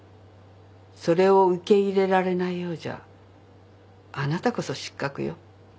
それを受け入れられないようじゃあなたこそ失格よ。